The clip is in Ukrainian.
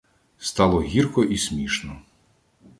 Стало гірко і смішно.